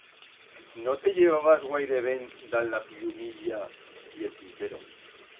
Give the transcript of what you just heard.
No te llevabas guaire ben dan la pllumilla y el tintero.